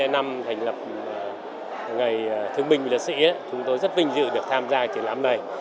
năm thành lập ngày thương binh liệt sĩ chúng tôi rất vinh dự được tham gia triển lãm này